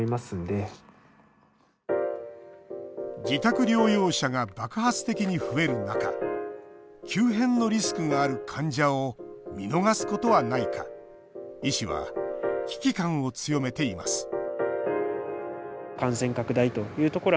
自宅療養者が爆発的に増える中急変のリスクがある患者を見逃すことはないか医師は危機感を強めています